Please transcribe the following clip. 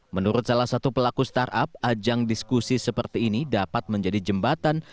menurut salah satu pelaku startup ajang diskusi seperti ini dapat menjadi jembatan